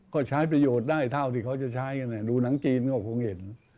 ก็ใช้ประโยชน์ได้เท่าที่เขาจะใช้กันดูหนังจีนก็คงเห็น